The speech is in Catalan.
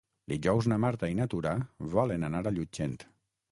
Dijous na Marta i na Tura volen anar a Llutxent.